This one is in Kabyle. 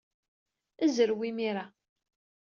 Zrew imir-a.